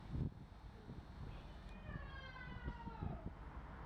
Izrael již všechny své čluny vyřadil.